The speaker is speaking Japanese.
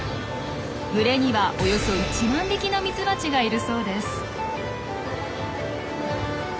群れにはおよそ１万匹のミツバチがいるそうです。